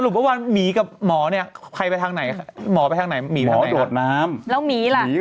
มันไม่ใช่เป็นวันแรกผมก็อ่านข่าวเที่ยงเม